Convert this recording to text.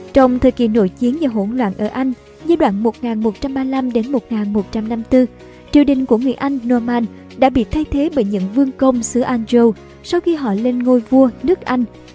trong thời kỳ nội chiến và hỗn loạn ở anh giai đoạn một nghìn một trăm ba mươi năm một nghìn một trăm năm mươi bốn triều đình của người anh norman đã bị thay thế bởi những vương công xứ andrew sau khi họ lên ngôi vua nước anh